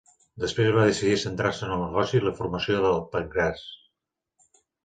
Després va decidir centrar-se en el negoci i la formació de Pancrase.